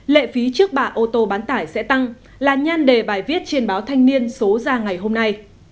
lệ phí trước bạ ô tô bán tải sẽ tăng là nhan đề bài viết trên báo thanh niên số ra ngày hôm nay